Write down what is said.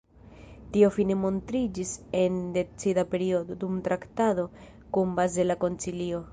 Tio fine montriĝis en decida periodo, dum traktado kun bazela koncilio.